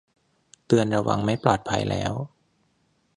เตือนระวังไม่ปลอดภัยแล้ว